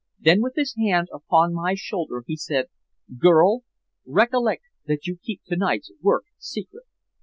Then, with his hand upon my shoulder, he said, 'Girl! Recollect that you keep to night's work secret.